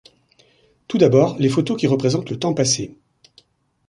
Tout d’abord les photos qui représentent le temps passé.